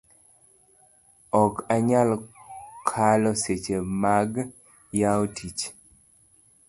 ok anyal kalo seche mag yawo tich